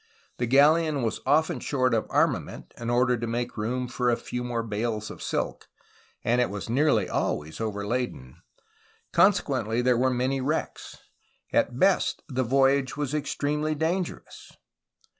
The galleon was often short of arma ment, in order to make room for a few more bales of silk, and it was nearly always overladen. Consequently, there were many wrecks; at best, the voyage was extremely dan gerous.